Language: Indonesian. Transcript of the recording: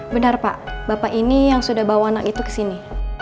benar pak bapak ini yang sudah bawa anak itu ke sini